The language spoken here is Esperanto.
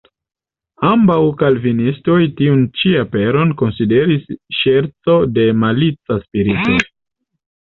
Ambaŭ kalvinistoj tiun ĉi aperon konsideris ŝerco de malica spirito.